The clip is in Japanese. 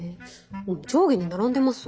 上下に並んでます。